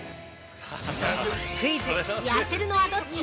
クイズ☆痩せるのはどっち？